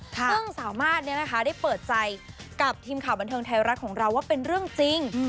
ซึ่งสามารถได้เปิดใจกับทีมข่าวบันเทิงไทยรัฐของเราว่าเป็นเรื่องจริง